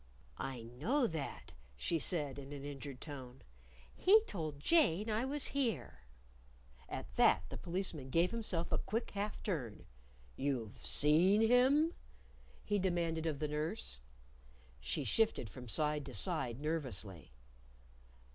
"I know that," she said in an injured tone. "He told Jane I was here." At that, the Policeman gave himself a quick half turn. "You've seen him?" he demanded of the nurse. She shifted from side to side nervously.